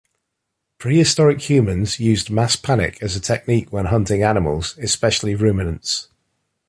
Prehistoric humans used mass panic as a technique when hunting animals, especially ruminants.